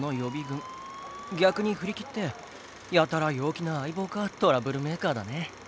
逆に振り切ってやたら陽気な相棒かトラブルメーカーだね。